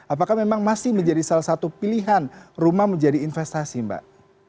apakah memang masih menjadi salah satu pilihan rumah menjadi investasi mbak